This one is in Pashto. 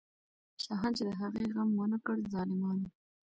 شاهان چې د هغې غم ونه کړ، ظالمان وو.